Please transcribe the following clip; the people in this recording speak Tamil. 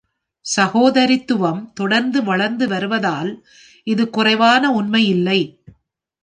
சகோதரித்துவம் தொடர்ந்து வளர்ந்து வருவதால் இது குறைவான உண்மை இல்லை.